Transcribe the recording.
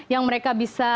yang mereka bisa sulam